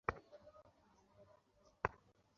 তবে আজ আমার সাথে অদ্ভুত কিছু ঘটেছিল।